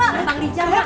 penukung bang rijal mak